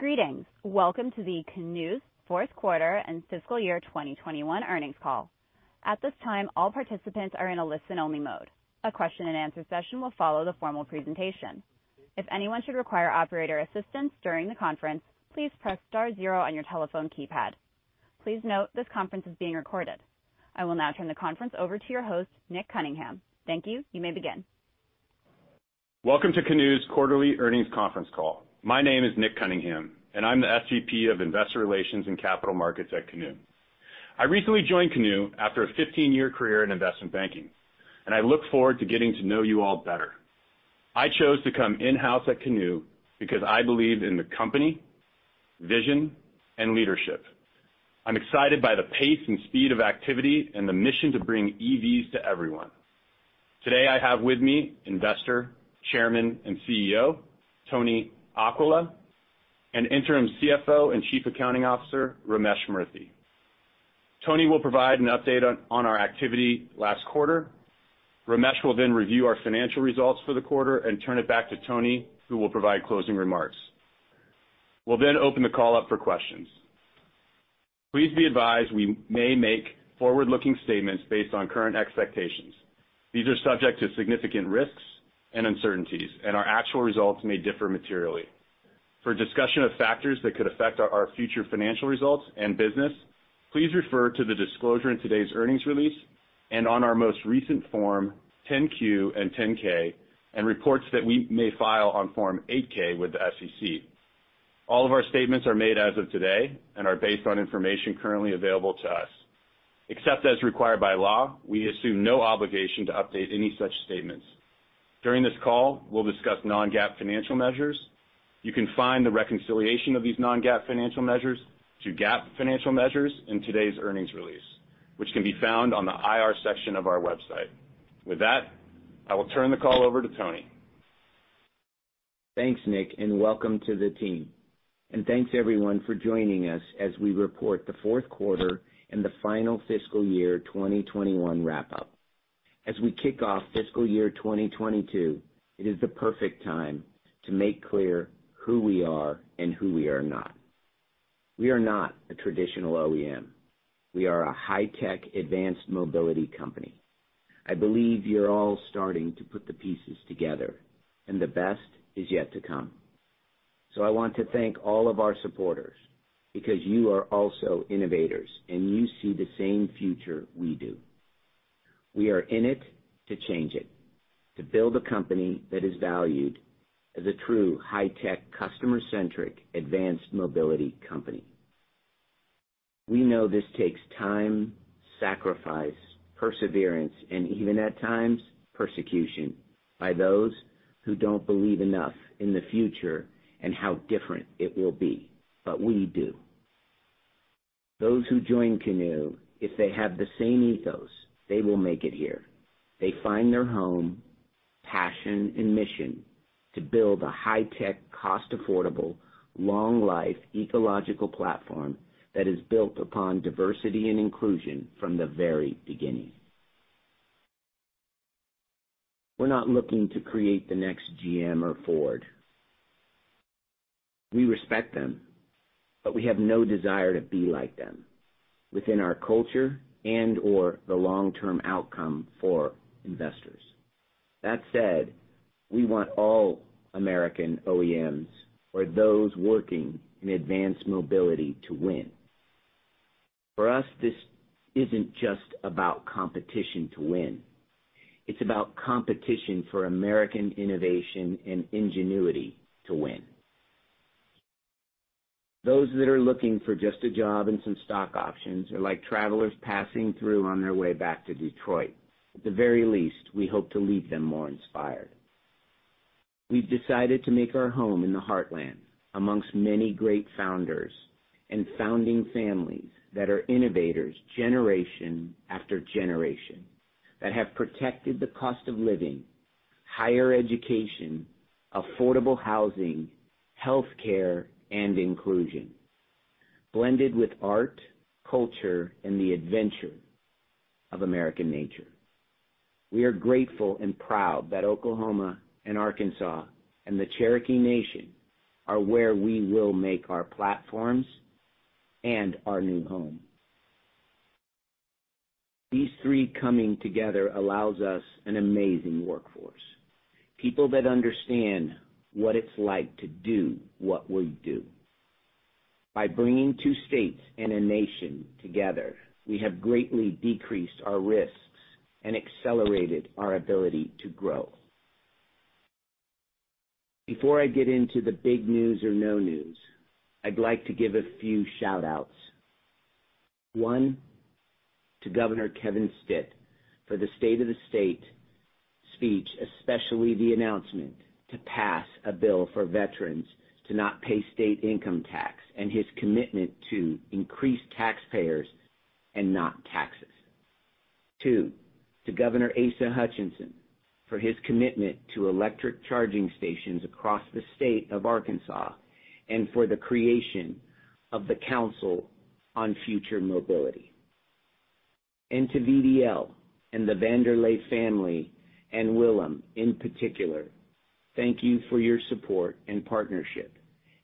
Greetings. Welcome to Canoo's fourth quarter and fiscal year 2021 earnings call. At this time, all participants are in a listen-only mode. A question and answer session will follow the formal presentation. If anyone should require operator assistance during the conference, please press star zero on your telephone keypad. Please note this conference is being recorded. I will now turn the conference over to your host, Nick Cunningham. Thank you. You may begin. Welcome to Canoo's quarterly earnings conference call. My name is Nick Cunningham, and I'm the SVP of Investor Relations and Capital Markets at Canoo. I recently joined Canoo after a 15-year career in investment banking, and I look forward to getting to know you all better. I chose to come in-house at Canoo because I believe in the company, vision, and leadership. I'm excited by the pace and speed of activity and the mission to bring EVs to everyone. Today, I have with me Investor, Chairman, and CEO Tony Aquila, and Interim CFO and Chief Accounting Officer, Ramesh Murthy. Tony will provide an update on our activity last quarter. Ramesh will then review our financial results for the quarter and turn it back to Tony, who will provide closing remarks. We'll then open the call up for questions. Please be advised we may make forward-looking statements based on current expectations. These are subject to significant risks and uncertainties, and our actual results may differ materially. For a discussion of factors that could affect our future financial results and business, please refer to the disclosure in today's earnings release and on our most recent Form 10-Q and 10-K and reports that we may file on Form 8-K with the SEC. All of our statements are made as of today and are based on information currently available to us. Except as required by law, we assume no obligation to update any such statements. During this call, we'll discuss non-GAAP financial measures. You can find the reconciliation of these non-GAAP financial measures to GAAP financial measures in today's earnings release, which can be found on the IR section of our website. With that, I will turn the call over to Tony. Thanks, Nick, and welcome to the team. Thanks everyone for joining us as we report the fourth quarter and the final fiscal year 2021 wrap-up. As we kick off fiscal year 2022, it is the perfect time to make clear who we are and who we are not. We are not a traditional OEM. We are a high-tech advanced mobility company. I believe you're all starting to put the pieces together, and the best is yet to come. I want to thank all of our supporters because you are also innovators, and you see the same future we do. We are in it to change it, to build a company that is valued as a true high-tech customer-centric advanced mobility company. We know this takes time, sacrifice, perseverance, and even at times, persecution by those who don't believe enough in the future and how different it will be, but we do. Those who join Canoo, if they have the same ethos, they will make it here. They find their home, passion, and mission to build a high-tech, cost-affordable, long-life ecological platform that is built upon diversity and inclusion from the very beginning. We're not looking to create the next GM or Ford. We respect them, but we have no desire to be like them within our culture and or the long-term outcome for investors. That said, we want all American OEMs or those working in advanced mobility to win. For us, this isn't just about competition to win. It's about competition for American innovation and ingenuity to win. Those that are looking for just a job and some stock options are like travelers passing through on their way back to Detroit. At the very least, we hope to leave them more inspired. We've decided to make our home in the heartland amongst many great founders and founding families that are innovators generation after generation, that have protected the cost of living, higher education, affordable housing, healthcare, and inclusion, blended with art, culture, and the adventure of American nature. We are grateful and proud that Oklahoma and Arkansas and the Cherokee Nation are where we will make our platforms and our new home. These three coming together allows us an amazing workforce, people that understand what it's like to do what we do. By bringing two states and a nation together, we have greatly decreased our risks and accelerated our ability to grow. Before I get into the big news or no news, I'd like to give a few shout-outs. One, to Governor Kevin Stitt for the state of the state speech, especially the announcement to pass a bill for veterans to not pay state income tax and his commitment to increase taxpayers and not taxes. Two, to Governor Asa Hutchinson for his commitment to electric charging stations across the state of Arkansas and for the creation of the Council on Future Mobility. To VDL and the van der Leegte family and Willem in particular, thank you for your support and partnership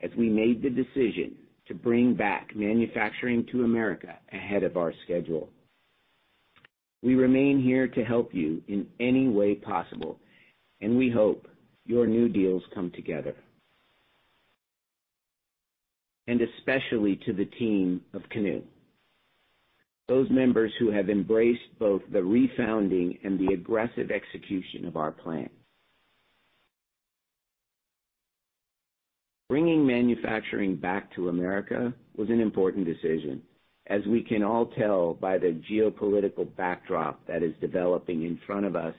as we made the decision to bring back manufacturing to America ahead of our schedule. We remain here to help you in any way possible, and we hope your new deals come together. Especially to the team of Canoo, those members who have embraced both the refounding and the aggressive execution of our plan. Bringing manufacturing back to America was an important decision, as we can all tell by the geopolitical backdrop that is developing in front of us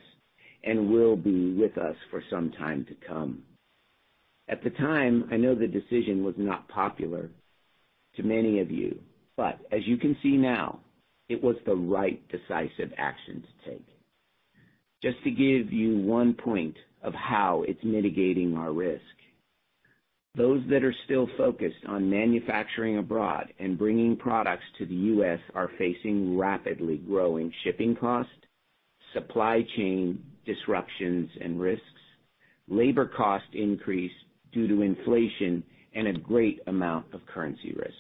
and will be with us for some time to come. At the time, I know the decision was not popular to many of you, but as you can see now, it was the right decisive action to take. Just to give you one point of how it's mitigating our risk, those that are still focused on manufacturing abroad and bringing products to the U.S. are facing rapidly growing shipping costs, supply chain disruptions and risks, labor cost increase due to inflation, and a great amount of currency risk.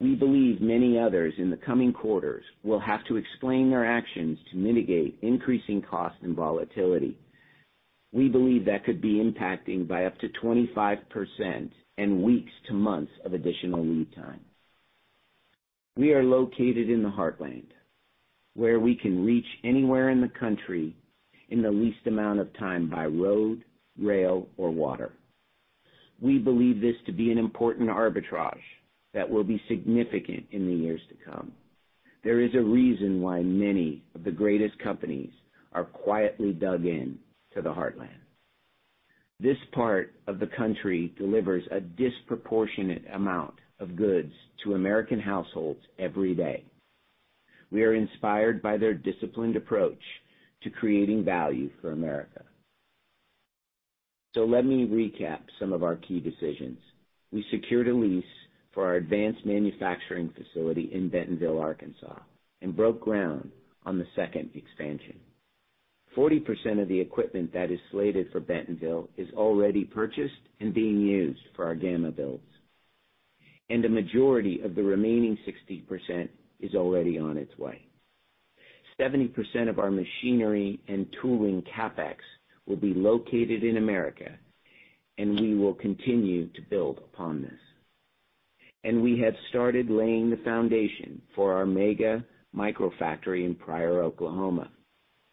We believe many others in the coming quarters will have to explain their actions to mitigate increasing costs and volatility. We believe that could be impacting by up to 25% and weeks to months of additional lead time. We are located in the Heartland, where we can reach anywhere in the country in the least amount of time by road, rail, or water. We believe this to be an important arbitrage that will be significant in the years to come. There is a reason why many of the greatest companies are quietly dug in to the Heartland. This part of the country delivers a disproportionate amount of goods to American households every day. We are inspired by their disciplined approach to creating value for America. Let me recap some of our key decisions. We secured a lease for our advanced manufacturing facility in Bentonville, Arkansas, and broke ground on the second expansion. 40% of the equipment that is slated for Bentonville is already purchased and being used for our Gamma builds, and the majority of the remaining 60% is already on its way. 70% of our machinery and tooling CapEx will be located in America, and we will continue to build upon this. We have started laying the foundation for our mega microfactory in Pryor, Oklahoma.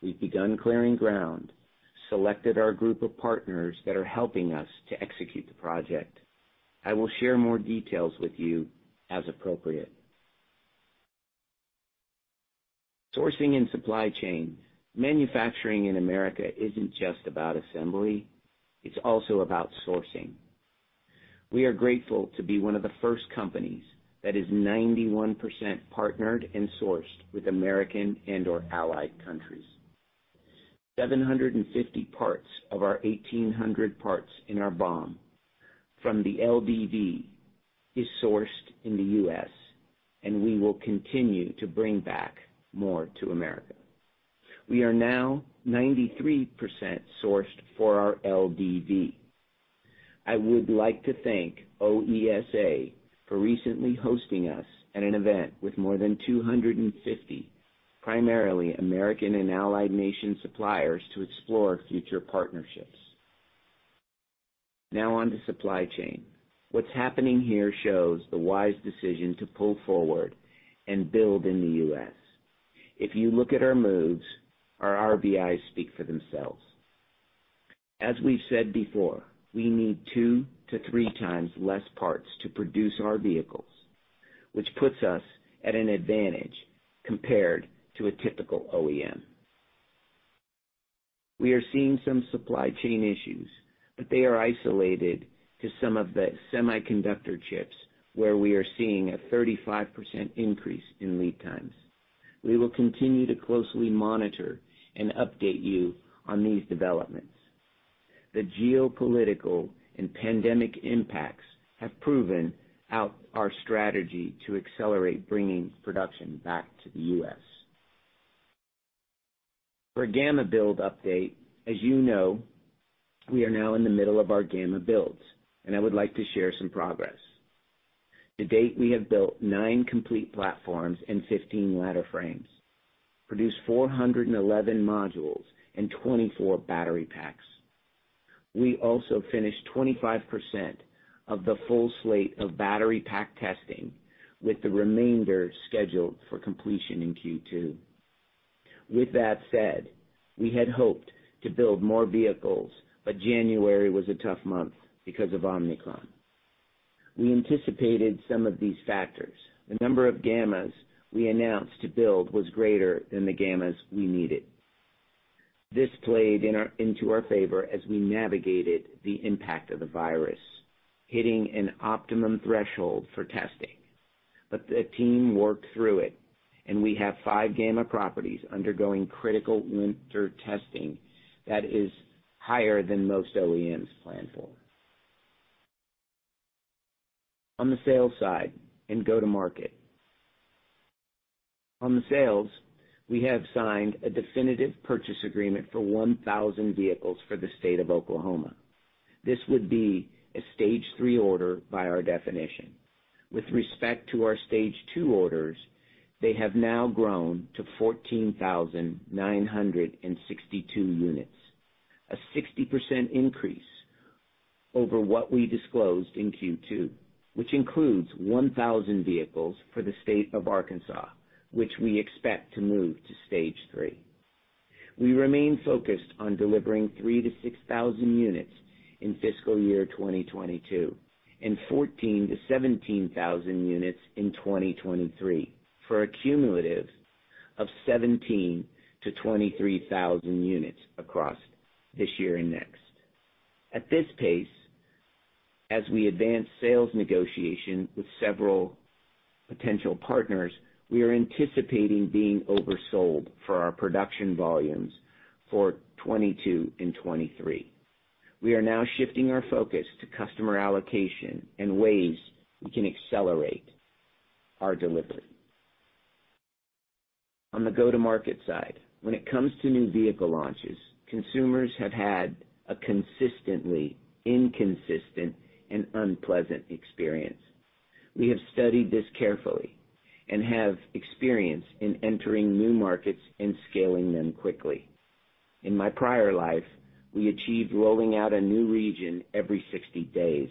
We've begun clearing ground, selected our group of partners that are helping us to execute the project. I will share more details with you as appropriate. Sourcing and supply chain. Manufacturing in America isn't just about assembly, it's also about sourcing. We are grateful to be one of the first companies that is 91% partnered and sourced with American and/or allied countries. 750 parts of our 1,800 parts in our BOM from the LDV is sourced in the U.S., and we will continue to bring back more to America. We are now 93% sourced for our LDV. I would like to thank OESA for recently hosting us at an event with more than 250, primarily American and allied nation suppliers to explore future partnerships. Now on to supply chain. What's happening here shows the wise decision to pull forward and build in the U.S. If you look at our moves, our RBIs speak for themselves. As we've said before, we need 2-3 times less parts to produce our vehicles, which puts us at an advantage compared to a typical OEM. We are seeing some supply chain issues, but they are isolated to some of the semiconductor chips where we are seeing a 35% increase in lead times. We will continue to closely monitor and update you on these developments. The geopolitical and pandemic impacts have proven out our strategy to accelerate bringing production back to the U.S. For Gamma build update, as you know, we are now in the middle of our Gamma builds, and I would like to share some progress. To date, we have built nine complete platforms and 15 ladder frames, produced 411 modules and 24 battery packs. We also finished 25% of the full slate of battery pack testing, with the remainder scheduled for completion in Q2. With that said, we had hoped to build more vehicles, but January was a tough month because of Omicron. We anticipated some of these factors. The number of Gammas we announced to build was greater than the Gammas we needed. This played into our favor as we navigated the impact of the virus, hitting an optimum threshold for testing. The team worked through it, and we have five Gamma properties undergoing critical winter testing that is higher than most OEMs plan for. On the sales side and go-to-market. On the sales, we have signed a definitive purchase agreement for 1,000 vehicles for the state of Oklahoma. This would be a stage three order by our definition. With respect to our stage two orders, they have now grown to 14,962 units, a 60% increase over what we disclosed in Q2, which includes 1,000 vehicles for the state of Arkansas, which we expect to move to stage three. We remain focused on delivering 3,000-6,000 units in fiscal year 2022 and 14,000-17,000 units in 2023 for a cumulative of 17,000-23,000 units across this year and next. At this pace, as we advance sales negotiation with several potential partners, we are anticipating being oversold for our production volumes for 2022 and 2023. We are now shifting our focus to customer allocation and ways we can accelerate our delivery. On the go-to-market side, when it comes to new vehicle launches, consumers have had a consistently inconsistent and unpleasant experience. We have studied this carefully and have experience in entering new markets and scaling them quickly. In my prior life, we achieved rolling out a new region every 60 days.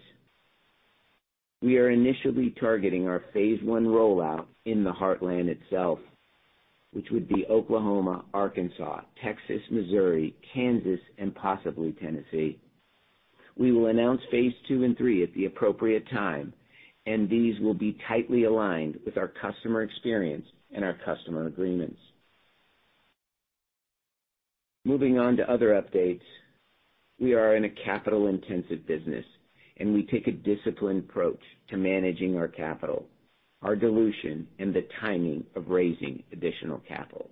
We are initially targeting our phase one rollout in the Heartland itself, which would be Oklahoma, Arkansas, Texas, Missouri, Kansas, and possibly Tennessee. We will announce phase two and three at the appropriate time, and these will be tightly aligned with our customer experience and our customer agreements. Moving on to other updates, we are in a capital-intensive business, and we take a disciplined approach to managing our capital, our dilution, and the timing of raising additional capital.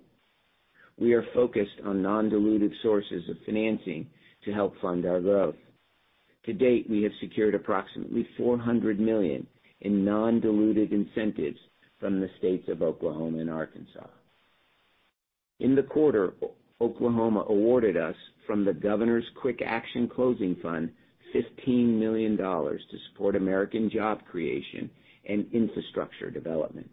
We are focused on non-dilutive sources of financing to help fund our growth. To date, we have secured approximately $400 million in non-dilutive incentives from the states of Oklahoma and Arkansas. In the quarter, Oklahoma awarded us from the Governor's Quick Action Closing Fund $15 million to support American job creation and infrastructure development.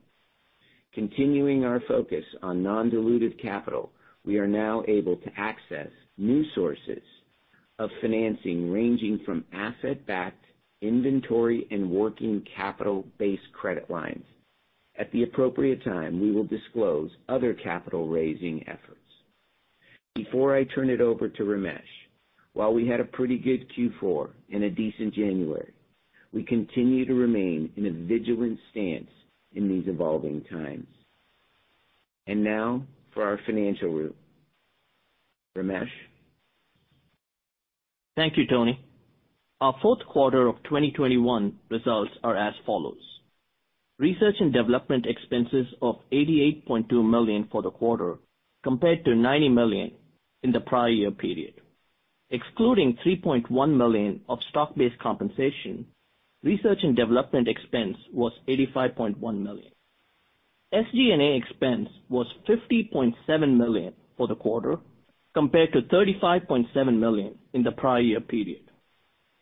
Continuing our focus on non-dilutive capital, we are now able to access new sources of financing, ranging from asset-backed inventory and working capital-based credit lines. At the appropriate time, we will disclose other capital-raising efforts. Before I turn it over to Ramesh, while we had a pretty good Q4 and a decent January, we continue to remain in a vigilant stance in these evolving times. Now for our financial review. Ramesh? Thank you, Tony. Our fourth quarter of 2021 results are as follows: Research and development expenses of $88.2 million for the quarter compared to $90 million in the prior year period. Excluding $3.1 million of stock-based compensation, research and development expense was $85.1 million. SG&A expense was $50.7 million for the quarter compared to $35.7 million in the prior year period.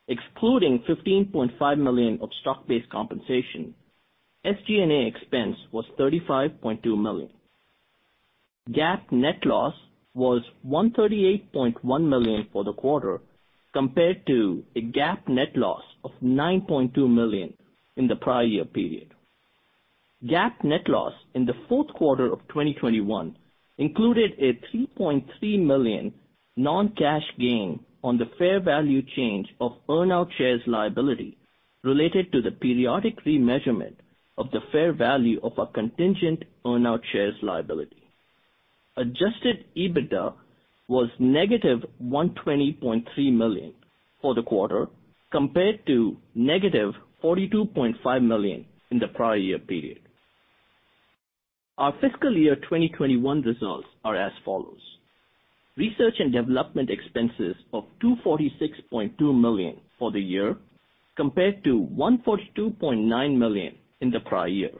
Excluding $15.5 million of stock-based compensation, SG&A expense was $35.2 million. GAAP net loss was $138.1 million for the quarter, compared to a GAAP net loss of $9.2 million in the prior year period. GAAP net loss in the fourth quarter of 2021 included a $3.3 million non-cash gain on the fair value change of earnout shares liability related to the periodic remeasurement of the fair value of our contingent earnout shares liability. Adjusted EBITDA was $ -120.3 million for the quarter, compared to $ -42.5 million in the prior year period. Our fiscal year 2021 results are as follows. Research and development expenses of $246.2 million for the year compared to $142.9 million in the prior year.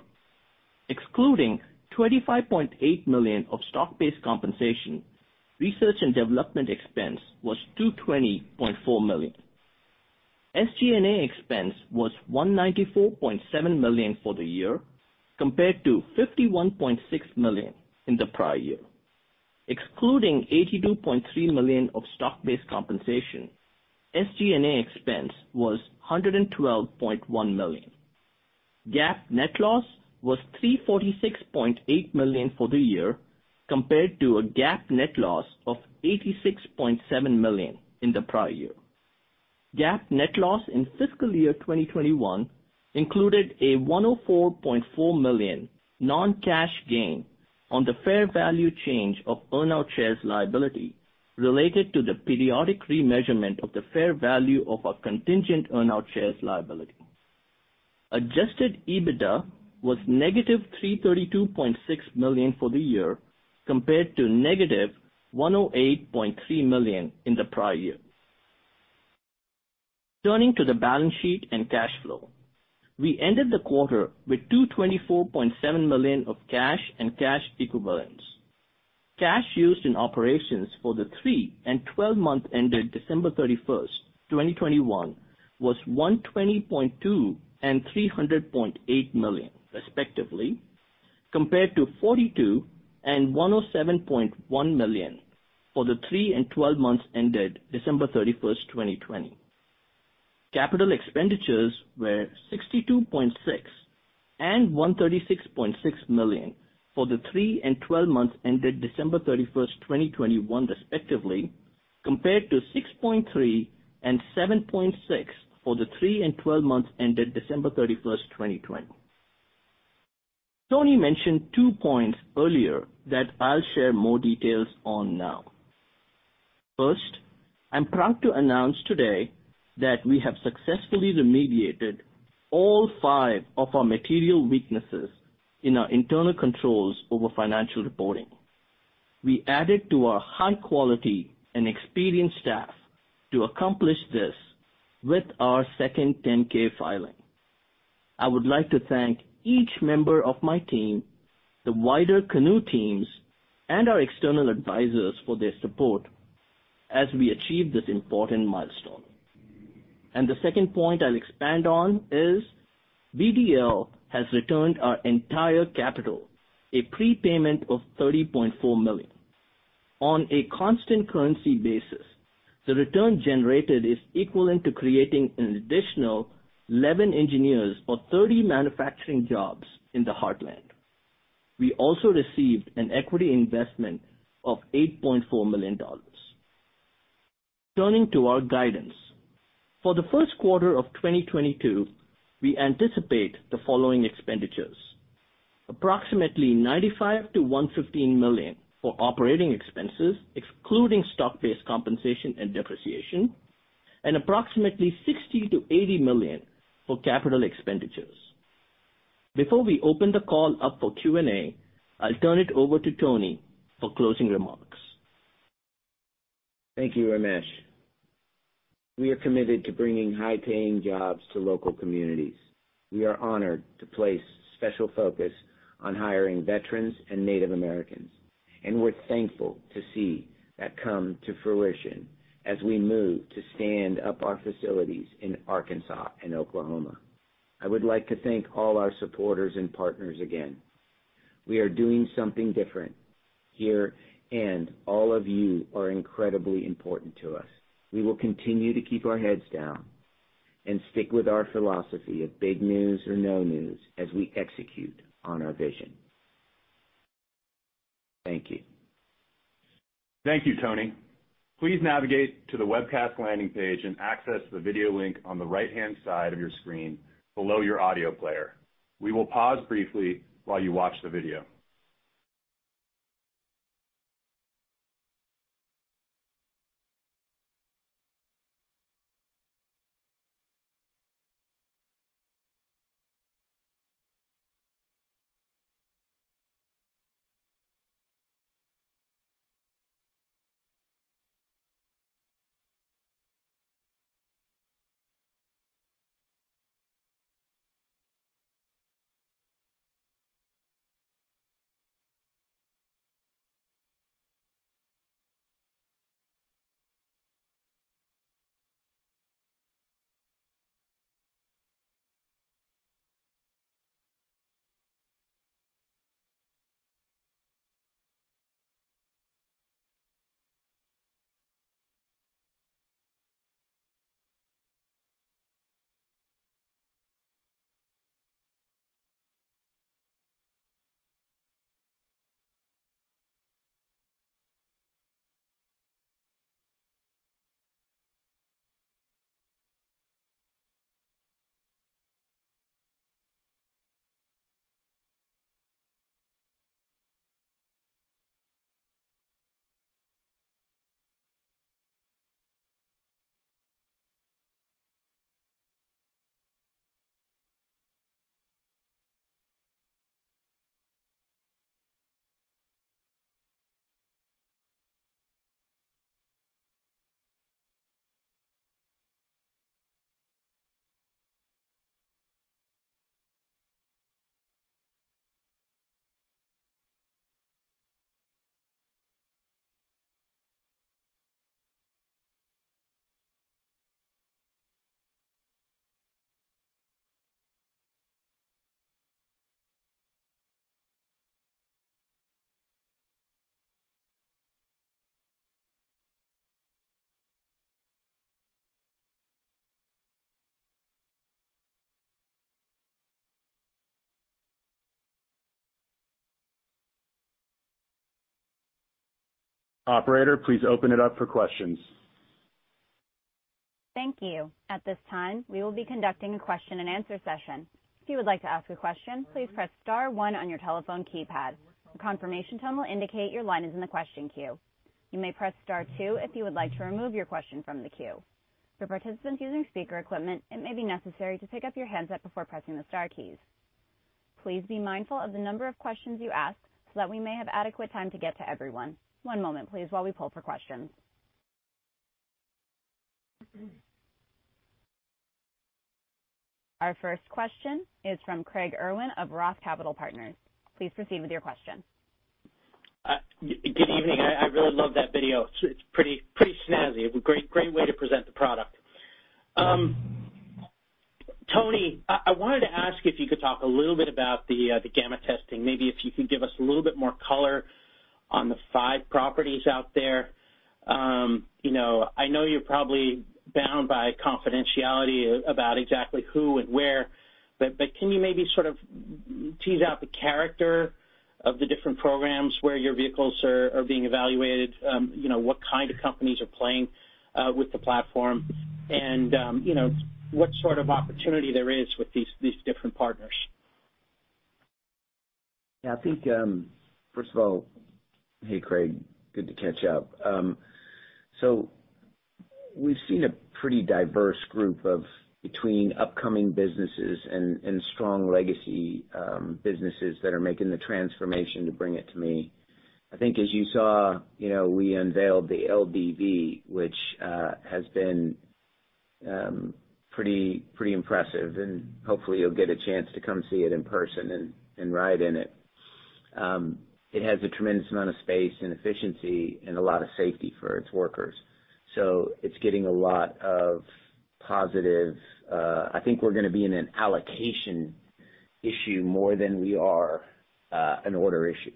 Excluding $25.8 million of stock-based compensation, research and development expense was $220.4 million. SG&A expense was $194.7 million for the year compared to $51.6 million in the prior year. Excluding $82.3 million of stock-based compensation, SG&A expense was $112.1 million. GAAP net loss was $346.8 million for the year compared to a GAAP net loss of $86.7 million in the prior year. GAAP net loss in fiscal year 2021 included a $104.4 million non-cash gain on the fair value change of earnout shares liability related to the periodic remeasurement of the fair value of our contingent earnout shares liability. Adjusted EBITDA was $ -332.6 million for the year. Compared to $ -108.3 million in the prior year. Turning to the balance sheet and cash flow, we ended the quarter with $224.7 million of cash and cash equivalents. Cash used in operations for the three and 12 months ended December 31, 2021 was $120.2 million and $300.8 million respectively, compared to $42 million and $107.1 million for the three and 12 months ended December 31, 2020. Capital expenditures were $62.6 million and $136.6 million for the three and 12 months ended December 31, 2021 respectively, compared to $6.3 million and $7.6 million for the three and 12 months ended December 31, 2020. Tony mentioned two points earlier that I'll share more details on now. First, I'm proud to announce today that we have successfully remediated all five of our material weaknesses in our internal controls over financial reporting. We added to our high-quality and experienced staff to accomplish this with our second 10-K filing. I would like to thank each member of my team, the wider Canoo teams, and our external advisors for their support as we achieve this important milestone. The second point I'll expand on is VDL has returned our entire capital, a prepayment of $30.4 million. On a constant currency basis, the return generated is equivalent to creating an additional 11 engineers or 30 manufacturing jobs in the Heartland. We also received an equity investment of $8.4 million. Turning to our guidance. For the first quarter of 2022, we anticipate the following expenditures. Approximately $95 million-$115 million for operating expenses, excluding stock-based compensation and depreciation, and approximately $60 million-$80 million for capital expenditures. Before we open the call up for Q&A, I'll turn it over to Tony for closing remarks. Thank you, Ramesh. We are committed to bringing high-paying jobs to local communities. We are honored to place special focus on hiring veterans and Native Americans, and we're thankful to see that come to fruition as we move to stand up our facilities in Arkansas and Oklahoma. I would like to thank all our supporters and partners again. We are doing something different here, and all of you are incredibly important to us. We will continue to keep our heads down and stick with our philosophy of big news or no news as we execute on our vision. Thank you. Thank you, Tony. Please navigate to the webcast landing page and access the video link on the right-hand side of your screen below your audio player. We will pause briefly while you watch the video. Operator, please open it up for questions. Thank you. At this time, we will be conducting a question and answer session. If you would like to ask a question, please press star one on your telephone keypad. A confirmation tone will indicate your line is in the question queue. You may press star two if you would like to remove your question from the queue. For participants using speaker equipment, it may be necessary to pick up your handset before pressing the star keys. Please be mindful of the number of questions you ask so that we may have adequate time to get to everyone. One moment please while we pull for questions. Our first question is from Craig Irwin of Roth Capital Partners. Please proceed with your question. Good evening. I really love that video. It's pretty snazzy, a great way to present the product. Tony, I wanted to ask if you could talk a little bit about the Gamma testing, maybe if you can give us a little bit more color on the five properties out there. You know, I know you're probably bound by confidentiality about exactly who and where, but can you maybe sort of tease out the character of the different programs where your vehicles are being evaluated? You know, what kind of companies are playing with the platform and, you know, what sort of opportunity there is with these different partners? Yeah. I think, first of all, hey, Craig, good to catch up. So we've seen a pretty diverse group of between upcoming businesses and strong legacy businesses that are making the transformation to bring it to me. I think as you saw, you know, we unveiled the LDV, which has been pretty impressive, and hopefully you'll get a chance to come see it in person and ride in it. It has a tremendous amount of space and efficiency and a lot of safety for its workers, so it's getting a lot of positive, I think we're gonna be in an allocation issue more than we are an order issue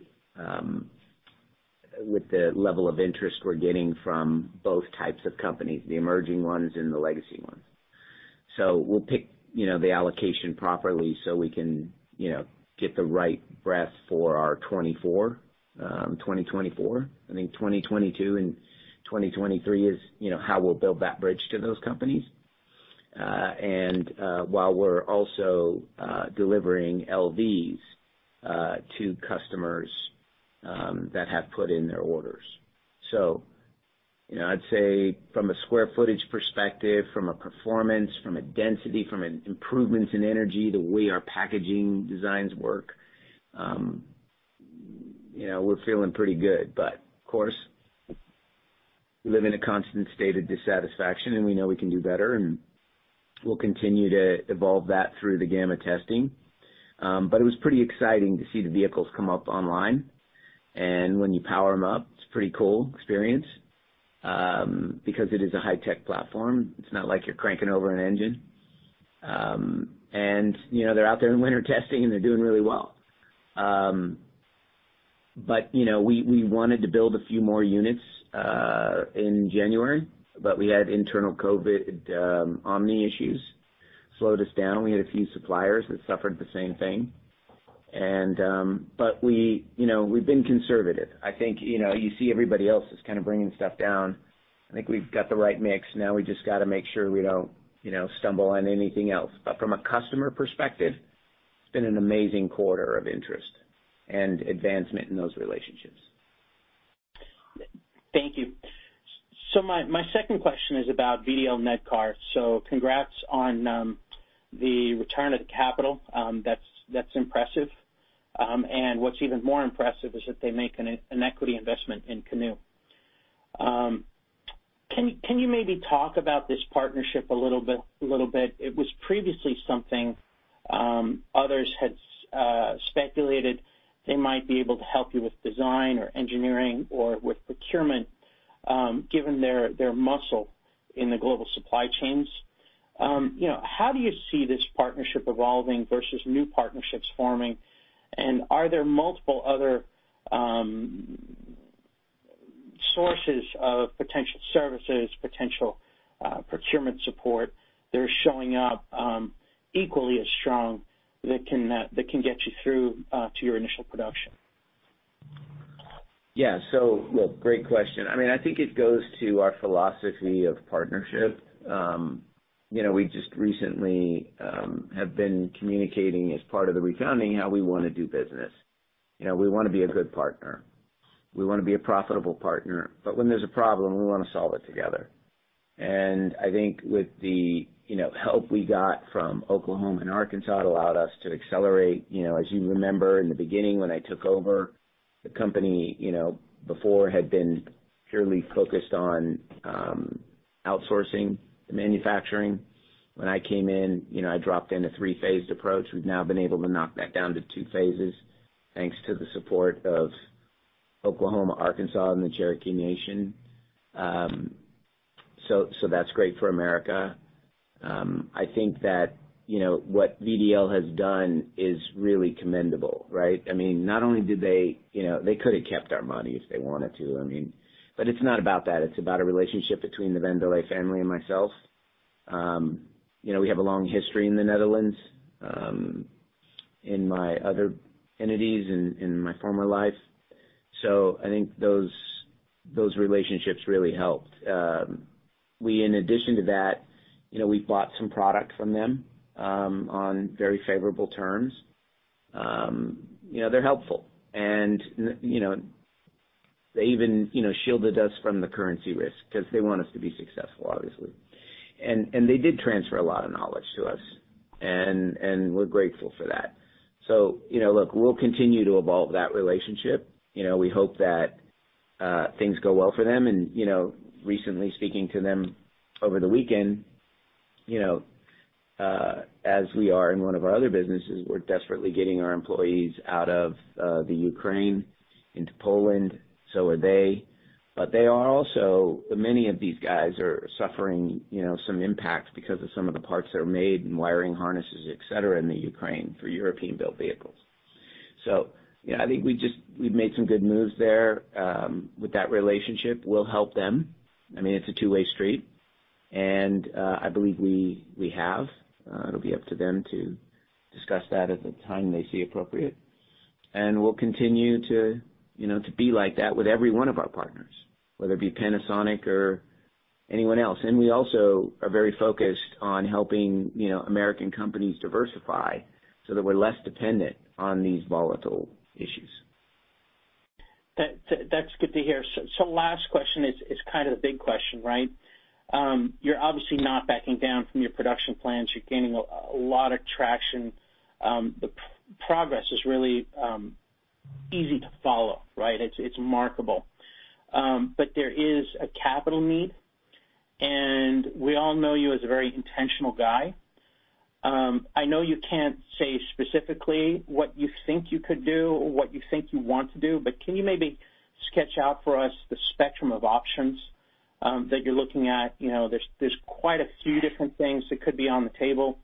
with the level of interest we're getting from both types of companies, the emerging ones and the legacy ones. We'll pick, you know, the allocation properly so we can, you know, get the right breadth for our 2024. I think 2022 and 2023 is, you know, how we'll build that bridge to those companies, and while we're also delivering LVs to customers that have put in their orders. You know, I'd say from a square footage perspective, from a performance, from a density, from an improvements in energy, the way our packaging designs work, you know, we're feeling pretty good. Of course, we live in a constant state of dissatisfaction, and we know we can do better, and we'll continue to evolve that through the Gamma testing. It was pretty exciting to see the vehicles come up online. When you power them up, it's a pretty cool experience, because it is a high-tech platform. It's not like you're cranking over an engine. You know, they're out there in winter testing, and they're doing really well. You know, we wanted to build a few more units in January, but we had internal COVID, Omicron issues slowed us down. We had a few suppliers that suffered the same thing. You know, we've been conservative. I think, you know, you see everybody else is kind of bringing stuff down. I think we've got the right mix. Now we just got to make sure we don't, you know, stumble on anything else. From a customer perspective, it's been an amazing quarter of interest and advancement in those relationships. Thank you. My second question is about VDL Nedcar. Congrats on the return of the capital. That's impressive. What's even more impressive is that they make an equity investment in Canoo. Can you maybe talk about this partnership a little bit? It was previously something others had speculated they might be able to help you with design or engineering or with procurement, given their muscle in the global supply chains. You know, how do you see this partnership evolving versus new partnerships forming? Are there multiple other sources of potential services, potential procurement support that are showing up equally as strong that can get you through to your initial production? Yeah. Look, great question. I mean, I think it goes to our philosophy of partnership. You know, we just recently have been communicating as part of the refounding how we wanna do business. You know, we wanna be a good partner. We wanna be a profitable partner. But when there's a problem, we wanna solve it together. I think with the help we got from Oklahoma and Arkansas, it allowed us to accelerate. You know, as you remember in the beginning when I took over the company, before had been purely focused on outsourcing the manufacturing. When I came in, I dropped in a three-phased approach. We've now been able to knock that down to two phases, thanks to the support of Oklahoma, Arkansas, and the Cherokee Nation. That's great for America. I think that, you know, what VDL has done is really commendable, right? I mean, not only did they, you know, they could have kept our money if they wanted to, I mean, but it's not about that. It's about a relationship between the Van der Leegte family and myself. You know, we have a long history in the Netherlands, in my other entities in my former life. So I think those relationships really helped. We, in addition to that, you know, we bought some product from them, on very favorable terms. You know, they're helpful. They even, you know, shielded us from the currency risk because they want us to be successful, obviously. And they did transfer a lot of knowledge to us, and we're grateful for that. You know, look, we'll continue to evolve that relationship. You know, we hope that things go well for them. You know, recently speaking to them over the weekend, you know, as we are in one of our other businesses, we're desperately getting our employees out of the Ukraine into Poland. They are. They are also many of these guys are suffering, you know, some impact because of some of the parts that are made in wiring harnesses, et cetera, in the Ukraine for European-built vehicles. You know, I think we just we've made some good moves there with that relationship. We'll help them. I mean, it's a two-way street, and I believe we have. It'll be up to them to discuss that at the time they see appropriate. We'll continue to, you know, be like that with every one of our partners, whether it be Panasonic or anyone else. We also are very focused on helping, you know, American companies diversify so that we're less dependent on these volatile issues. That's good to hear. Last question is kind of the big question, right? You're obviously not backing down from your production plans. You're gaining a lot of traction. The progress is really easy to follow, right? It's remarkable. There is a capital need, and we all know you as a very intentional guy. I know you can't say specifically what you think you could do or what you think you want to do, but can you maybe sketch out for us the spectrum of options that you're looking at? You know, there's quite a few different things that could be on the table.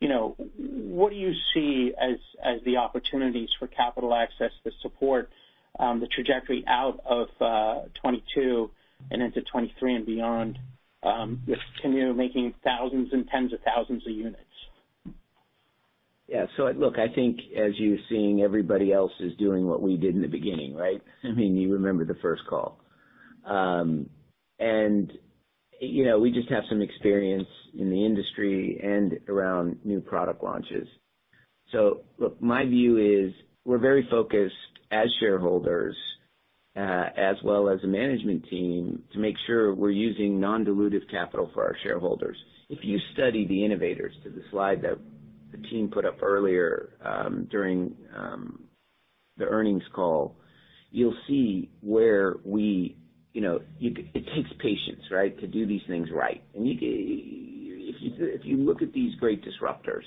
You know, what do you see as the opportunities for capital access to support the trajectory out of 2022 and into 2023 and beyond to continue making thousands and tens of thousands of units? Yeah. Look, I think as you're seeing, everybody else is doing what we did in the beginning, right? I mean, you remember the first call. You know, we just have some experience in the industry and around new product launches. Look, my view is we're very focused as shareholders, as well as a management team to make sure we're using non-dilutive capital for our shareholders. If you study the innovators to the slide that the team put up earlier, during the earnings call, you'll see where we. You know, it takes patience, right, to do these things right. If you look at these great disruptors,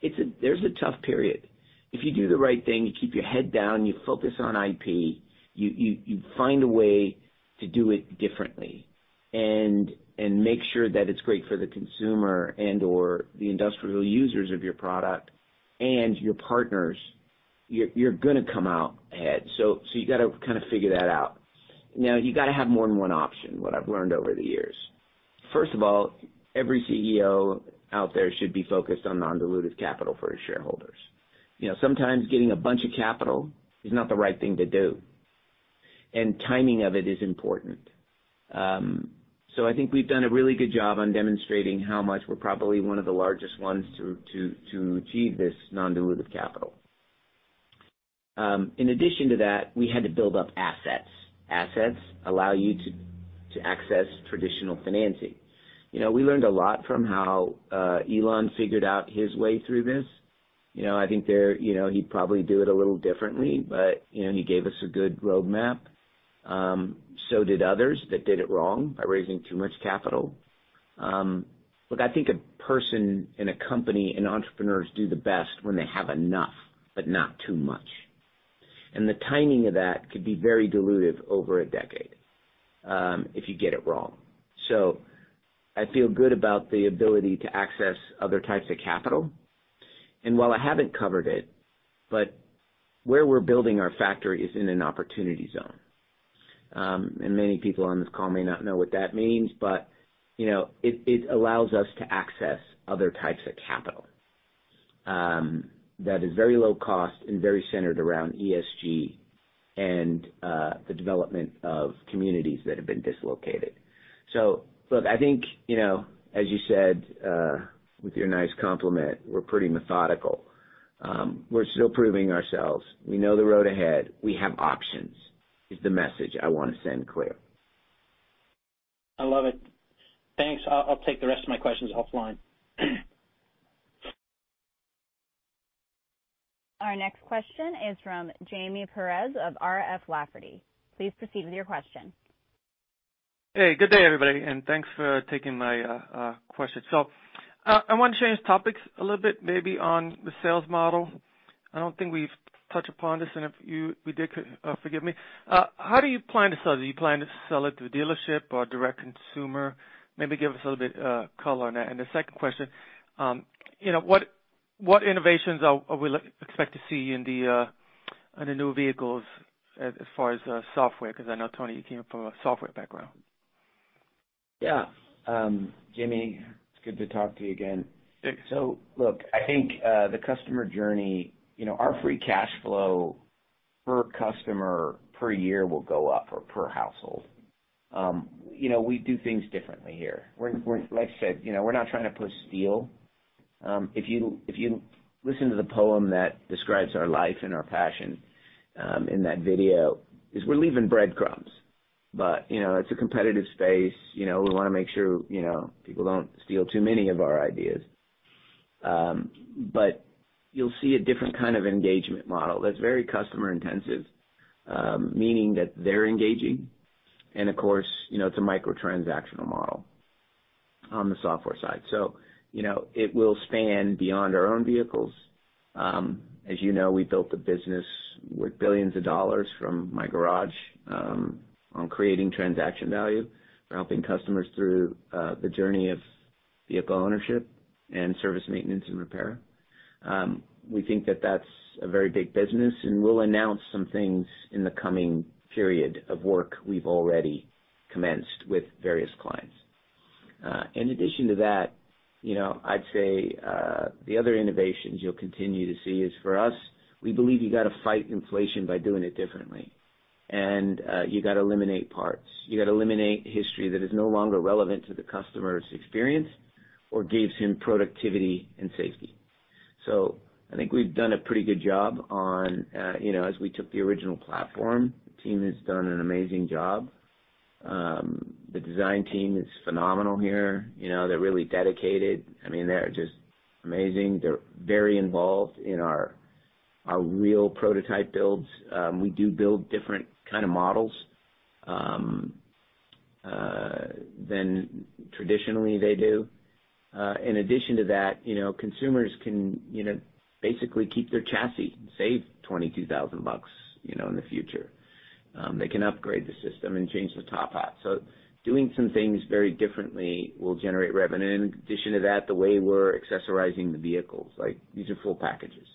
it's a tough period. If you do the right thing, you keep your head down, you focus on IP, you find a way to do it differently and make sure that it's great for the consumer and/or the industrial users of your product and your partners, you're gonna come out ahead. You gotta kind of figure that out. Now, you gotta have more than one option, what I've learned over the years. First of all, every CEO out there should be focused on non-dilutive capital for his shareholders. You know, sometimes getting a bunch of capital is not the right thing to do, and timing of it is important. I think we've done a really good job on demonstrating how much we're probably one of the largest ones to achieve this non-dilutive capital. In addition to that, we had to build up assets. Assets allow you to access traditional financing. You know, we learned a lot from how Elon figured out his way through this. You know, I think there, you know, he'd probably do it a little differently, but, you know, he gave us a good roadmap. So did others that did it wrong by raising too much capital. Look, I think a person in a company and entrepreneurs do the best when they have enough, but not too much. The timing of that could be very dilutive over a decade, if you get it wrong. I feel good about the ability to access other types of capital. While I haven't covered it, but where we're building our factory is in an Opportunity Zone. Many people on this call may not know what that means, but, you know, it allows us to access other types of capital that is very low cost and very centered around ESG and the development of communities that have been dislocated. Look, I think, you know, as you said, with your nice compliment, we're pretty methodical. We're still proving ourselves. We know the road ahead. We have options, is the message I wanna send clear? I love it. Thanks. I'll take the rest of my questions offline. Our next question is from Jaime Perez of R.F. Lafferty. Please proceed with your question. Hey, good day, everybody, and thanks for taking my question. I wanna change topics a little bit, maybe on the sales model. I don't think we've touched upon this, and if we did, forgive me. How do you plan to sell it? Do you plan to sell it to a dealership or direct to consumer? Maybe give us a little bit color on that. The second question, you know, what innovations are we expect to see on the new vehicles as far as software? 'Cause I know, Tony, you came from a software background. Yeah. Jimmy, it's good to talk to you again. Thanks. Look, I think the customer journey, you know, our free cash flow per customer per year will go up or per household. You know, we do things differently here. Like I said, you know, we're not trying to put steel. If you listen to the poem that describes our life and our passion in that video, is we're leaving breadcrumbs. You know, it's a competitive space, you know, we wanna make sure, you know, people don't steal too many of our ideas. You'll see a different kind of engagement model that's very customer-intensive, meaning that they're engaging and of course, you know, it's a micro-transactional model on the software side. You know, it will span beyond our own vehicles. As you know, we built the business with billions of dollars from my garage on creating transaction value. We're helping customers through the journey of vehicle ownership and service maintenance and repair. We think that that's a very big business, and we'll announce some things in the coming period of work we've already commenced with various clients. In addition to that, you know, I'd say the other innovations you'll continue to see is, for us, we believe you gotta fight inflation by doing it differently. You gotta eliminate parts. You gotta eliminate history that is no longer relevant to the customer's experience or gives him productivity and safety. I think we've done a pretty good job on, you know, as we took the original platform, the team has done an amazing job. The design team is phenomenal here. You know, they're really dedicated. I mean, they are just amazing. They're very involved in our real prototype builds. We do build different kinda models than traditionally they do. In addition to that, you know, consumers can, you know, basically keep their chassis. Save $22,000 bucks, you know, in the future. They can upgrade the system and change the top half. Doing some things very differently will generate revenue. In addition to that, the way we're accessorizing the vehicles, like these are full packages.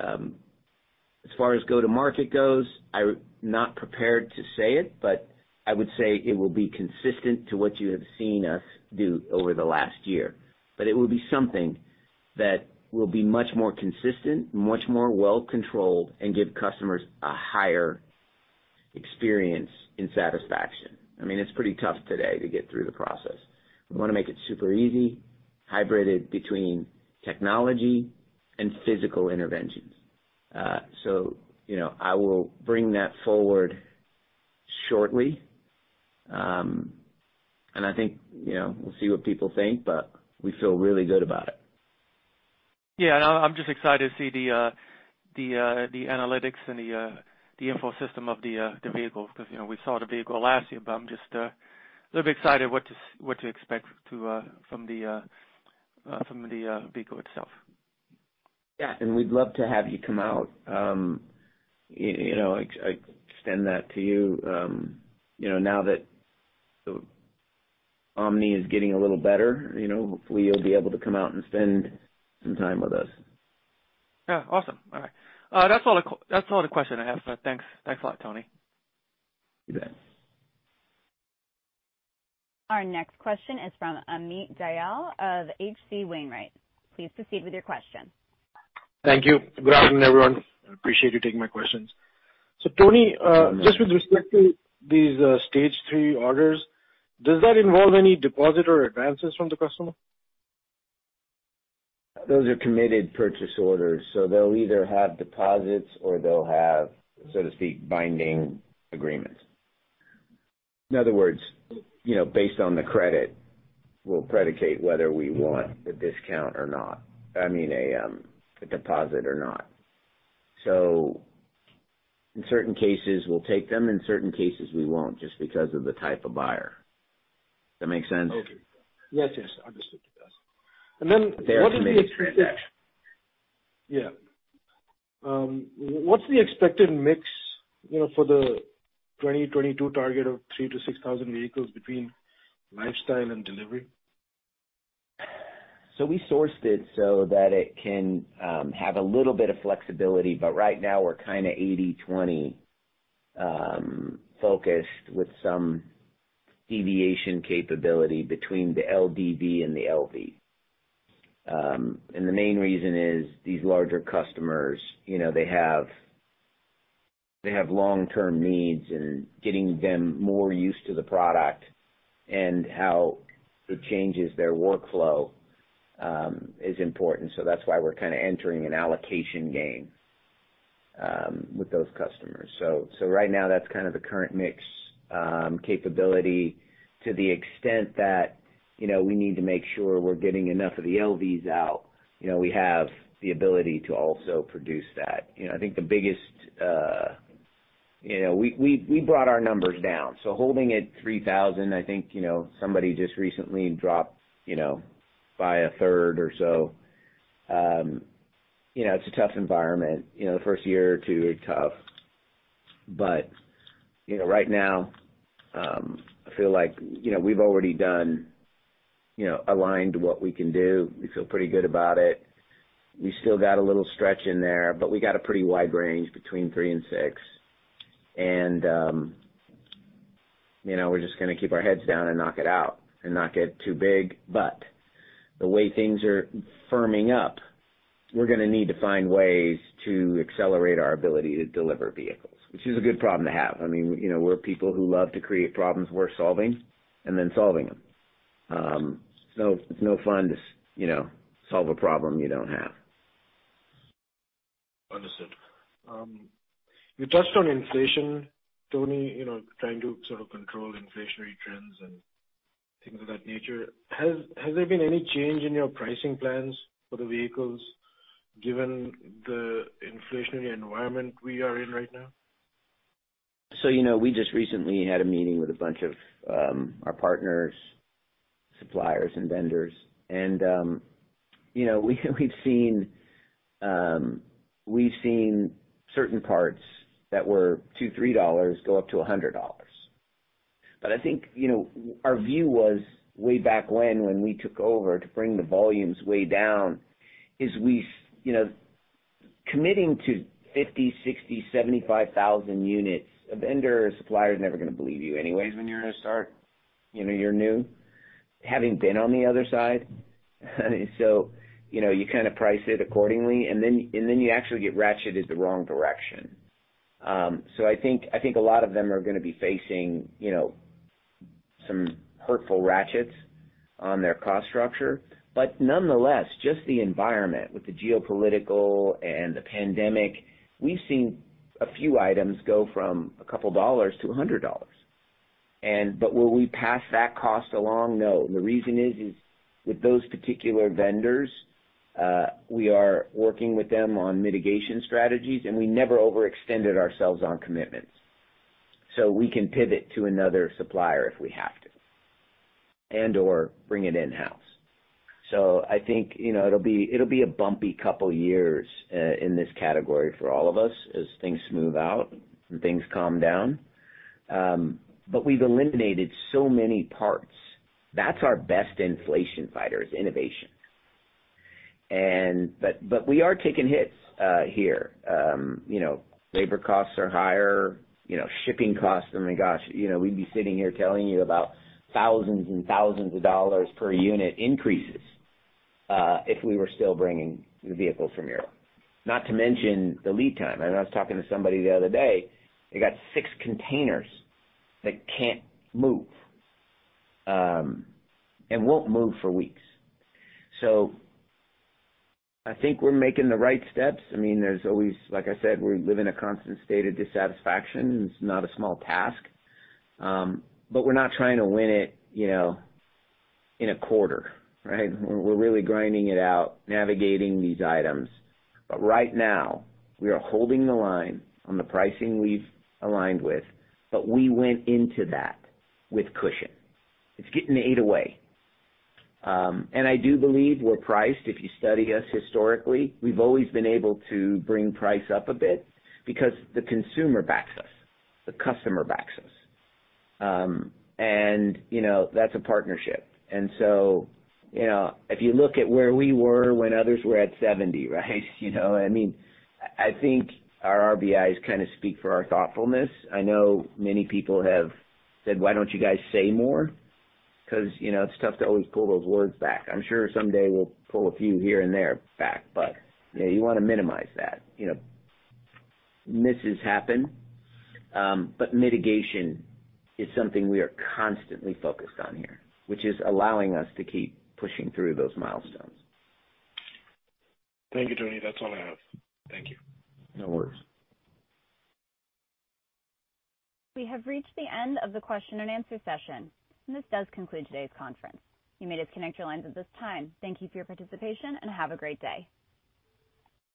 As far as go-to-market goes, I'm not prepared to say it, but I would say it will be consistent to what you have seen us do over the last year. It will be something that will be much more consistent and much more well controlled and give customers a higher experience in satisfaction. I mean, it's pretty tough today to get through the process. We wanna make it super easy, hybrid between technology and physical interventions. You know, I will bring that forward shortly. I think, you know, we'll see what people think, but we feel really good about it. Yeah, I'm just excited to see the analytics and the info system of the vehicles because, you know, we saw the vehicle last year, but I'm just a little bit excited what to expect from the vehicle itself. Yeah. We'd love to have you come out, you know, I extend that to you. You know, now that the Omicron is getting a little better, you know, hopefully you'll be able to come out and spend some time with us. Yeah. Awesome. All right. That's all the questions I have. Thanks. Thanks a lot, Tony. You bet. Our next question is from Amit Dayal of H.C. Wainwright. Please proceed with your question. Thank you. Good afternoon, everyone. I appreciate you taking my questions. Tony, Good afternoon. Just with respect to these stage three orders, does that involve any deposit or advances from the customer? Those are committed purchase orders, so they'll either have deposits or they'll have, so to speak, binding agreements. In other words, you know, based on the credit, we'll predicate whether we want, I mean, a deposit or not. So in certain cases, we'll take them, in certain cases, we won't, just because of the type of buyer. That make sense? Okay. Yes, yes. Understood. Yes. What is the expe- They're committed transactions. Yeah. What's the expected mix, you know, for the 2022 target of 3,000-6,000 vehicles between lifestyle and delivery? We sourced it so that it can have a little bit of flexibility, but right now we're kinda 80/20 focused with some deviation capability between the LDV and the LV. The main reason is these larger customers, you know, they have long-term needs, and getting them more used to the product and how it changes their workflow is important. That's why we're kinda entering an allocation game with those customers. Right now, that's kind of the current mix capability to the extent that, you know, we need to make sure we're getting enough of the LVs out. You know, we have the ability to also produce that. You know, I think the biggest. You know, we brought our numbers down, so holding at 3,000, I think, you know, somebody just recently dropped, you know, by a third or so. You know, it's a tough environment. You know, the first year or two are tough. You know, right now, I feel like, you know, we've already done, you know, aligned what we can do. We feel pretty good about it. We still got a little stretch in there, but we got a pretty wide range between 3-6. You know, we're just gonna keep our heads down and knock it out and not get too big. The way things are firming up. We're gonna need to find ways to accelerate our ability to deliver vehicles, which is a good problem to have. I mean, you know, we're people who love to create problems worth solving and then solving them. It's no fun to, you know, solve a problem you don't have. Understood. You touched on inflation, Tony, you know, trying to sort of control inflationary trends and things of that nature. Has there been any change in your pricing plans for the vehicles given the inflationary environment we are in right now? You know, we just recently had a meeting with a bunch of our partners, suppliers and vendors. You know, we've seen certain parts that were $2-$3 go up to $100. I think, you know, our view was way back when we took over to bring the volumes way down, is we, you know, committing to 50, 60, 75,000 units, a vendor or supplier is never gonna believe you anyways when you're gonna start, you know, you're new, having been on the other side. You know, you kind of price it accordingly, and then you actually get ratcheted the wrong direction. I think a lot of them are gonna be facing, you know, some hurtful ratchets on their cost structure. Nonetheless, just the environment with the geopolitical and the pandemic, we've seen a few items go from a couple of dollars to $100. Will we pass that cost along? No. The reason is with those particular vendors, we are working with them on mitigation strategies, and we never overextended ourselves on commitments. We can pivot to another supplier if we have to, and/or bring it in-house. I think, you know, it'll be a bumpy couple of years in this category for all of us as things smooth out and things calm down. We've eliminated so many parts. That's our best inflation fighter, is innovation. We are taking hits here. You know, labor costs are higher, you know, shipping costs, you know, we'd be sitting here telling you about thousands and thousands of dollars per unit increases if we were still bringing the vehicles from Europe. Not to mention the lead time. I know I was talking to somebody the other day, they got 6 containers that can't move and won't move for weeks. I think we're making the right steps. I mean, there's always, like I said, we live in a constant state of dissatisfaction, and it's not a small task, but we're not trying to win it, you know, in a quarter, right? We're really grinding it out, navigating these items. Right now, we are holding the line on the pricing we've aligned with, but we went into that with cushion. It's getting eaten away. I do believe we're priced. If you study us historically, we've always been able to bring price up a bit because the consumer backs us, the customer backs us. You know, that's a partnership. You know, if you look at where we were when others were at 70, right? You know, I mean, I think our RBIs kind of speak for our thoughtfulness. I know many people have said, "Why don't you guys say more?" Because, you know, it's tough to always pull those words back. I'm sure someday we'll pull a few here and there back, but, you know, you want to minimize that. You know, misses happen, but mitigation is something we are constantly focused on here, which is allowing us to keep pushing through those milestones. Thank you, Tony. That's all I have. Thank you. No worries. We have reached the end of the question and answer session, and this does conclude today's conference. You may disconnect your lines at this time. Thank you for your participation, and have a great day.